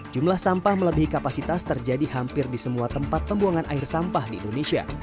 jumlah sampah melebihi kapasitas terjadi hampir di semua tempat pembuangan air sampah di indonesia